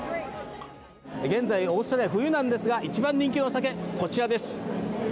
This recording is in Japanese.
現在、オーストラリア冬なんですが一番人気のお酒、こちらです。